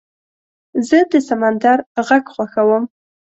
زه د سمندر غږ خوښوم.